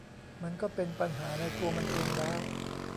มันก็เป็นปัญหาในตัวมันเองแล้ว